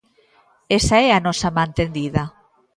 Esa é a nosa man tendida.